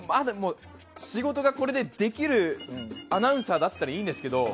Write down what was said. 仕事がこれでできるアナウンサーだったらいいんですけど。